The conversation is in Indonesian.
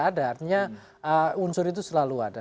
ada artinya unsur itu selalu ada